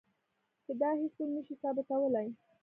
دا هیڅوک نه شي ثابتولی.